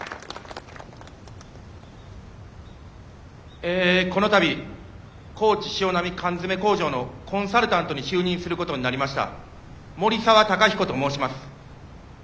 えこの度高知しおなみ缶詰工場のコンサルタントに就任することになりました森澤貴彦と申します。